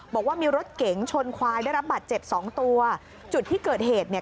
บอกว่ามีรถเก๋งชนควายได้รับบัตรเจ็บสองตัวจุดที่เกิดเหตุเนี่ย